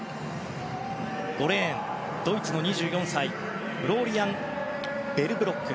５レーン、ドイツの２４歳フローリアン・ベルブロック。